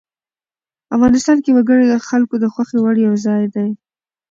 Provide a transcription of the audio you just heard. افغانستان کې وګړي د خلکو د خوښې وړ یو ځای دی.